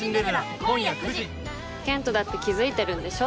健人だって気づいてるんでしょ。